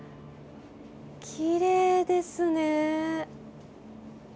きれいですね。